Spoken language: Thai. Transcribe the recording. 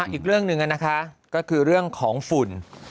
อีกเรื่องนึงเรื่องของฝุ่น